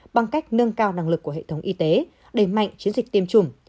bằng cách nâng cao năng lực của hệ thống y tế đẩy mạnh chiến dịch tiêm chủng